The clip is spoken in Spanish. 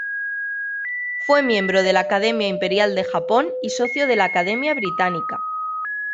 Fue miembro de la Academia Imperial de Japón y socio de la Academia Británica.